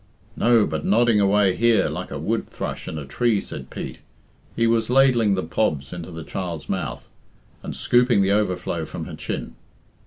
"No, but nodding away here like a wood thrush in a tree," said Pete. He was ladling the pobs into the child's mouth, and scooping the overflow from her chin.